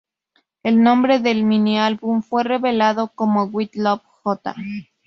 El nombre del mini-álbum fue revelado como "With Love, J".